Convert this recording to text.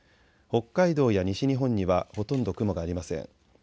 北海道や西日本にはほとんど雲がありません。